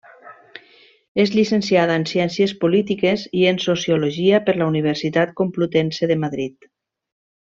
És llicenciada en Ciències Polítiques i en Sociologia per la Universitat Complutense de Madrid.